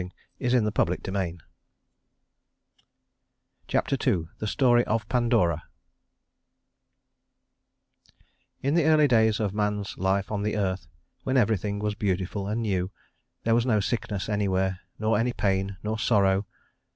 [Illustration: Jupiter] Chapter II The Story of Pandora In the early days of man's life on the earth, when everything was beautiful and new, there was no sickness anywhere, nor any pain, nor sorrow.